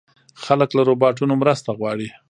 خلک له روباټونو مرسته غواړي.